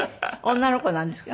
女の子なんですか？